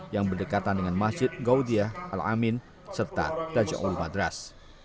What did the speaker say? yang berdekatan dengan masjid gaudiya al amin serta dajjalul madras